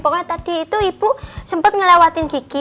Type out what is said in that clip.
pokoknya tadi itu ibu sempat ngelewatin gigi